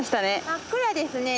真っ暗ですね。